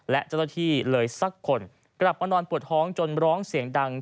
และเจ้าหน้าที่เลยสักคนกลับมานอนปวดท้องจนร้องเสียงดัง